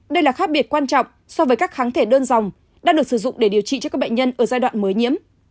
đây là khác biệt quan trọng so với các kháng thể đơn dòng đang được sử dụng để điều trị cho các bệnh nhân ở giai đoạn mới nhiễm